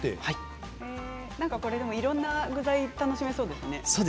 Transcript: いろいろな具材楽しめそうですね。